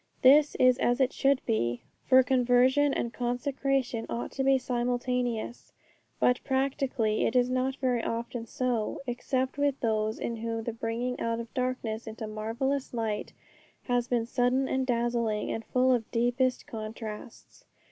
This is as it should be, for conversion and consecration ought to be simultaneous. But practically it is not very often so, except with those in whom the bringing out of darkness into marvellous light has been sudden and dazzling, and full of deepest contrasts.